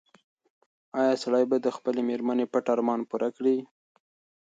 ایا سړی به د خپلې مېرمنې پټ ارمان پوره کړي؟